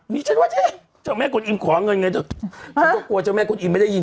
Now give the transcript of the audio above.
ฉันว่าเอ๊ะเจ้าแม่กลอิมขอเงินไงเถอะฉันก็กลัวเจ้าแม่คุณอิมไม่ได้ยิน